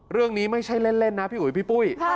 เรื่องนี้ไม่ใช่เล่นนะพี่อุ๋ยพี่ปุ้ย